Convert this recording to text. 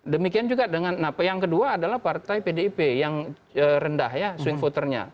demikian juga dengan yang kedua adalah partai pdip yang rendah ya swing voternya